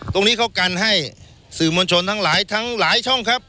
ตรงนี้เขากันให้สื่อมวลชนทั้งหลายทั้งหลายช่องครับ